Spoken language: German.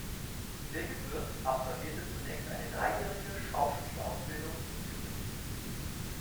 Birgit Würz absolvierte zunächst eine dreijährige Schauspielausbildung in Zürich.